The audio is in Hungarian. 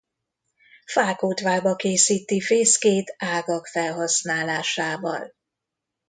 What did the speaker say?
Fák odvába készíti fészkét ágak felhasználásával.